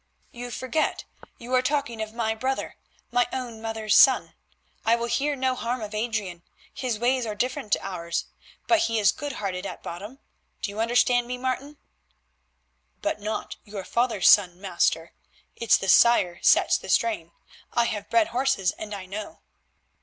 "You forget; you are talking of my brother, my own mother's son. I will hear no harm of Adrian; his ways are different to ours, but he is good hearted at bottom. Do you understand me, Martin?" "But not your father's son, master. It's the sire sets the strain; I have bred horses, and I know."